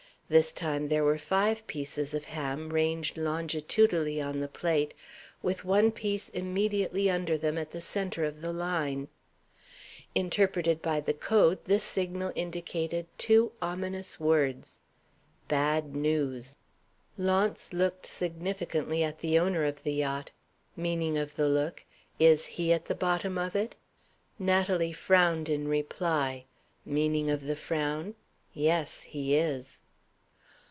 This time there were five pieces of ham ranged longitudinally on the plate, with one piece immediately under them at the center of the line. Interpreted by the Code, this signal indicated two ominous words, "Bad news." Launce looked significantly at the owner of the yacht (meaning of the look, "Is he at the bottom of it?"). Natalie frowned in reply (meaning of the frown, "Yes, he is").